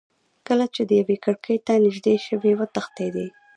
کله چې دېو کړکۍ ته نیژدې شو وتښتېدی.